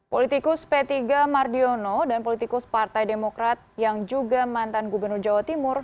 politikus p tiga mardiono dan politikus partai demokrat yang juga mantan gubernur jawa timur